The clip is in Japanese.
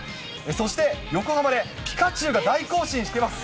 そして、横浜でピカチュウが大行進してます。